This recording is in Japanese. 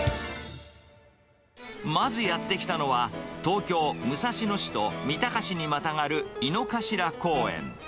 まずやって来たのは、東京・武蔵野市と三鷹市にまたがる井の頭公園。